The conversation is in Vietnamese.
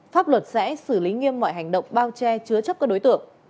pháp luật sẽ xử lý nghiêm mọi hành động bao che chứa chấp các đối tượng